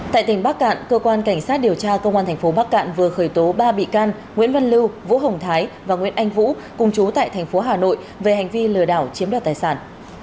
tại tỉnh bắc cạn cơ quan cảnh sát điều tra công an tp bắc cạn vừa khởi tố ba bị can nguyễn văn lưu vũ hồng thái và nguyễn anh vũ cùng chú tại thành phố hà nội về hành vi lừa đảo chiếm đoạt tài sản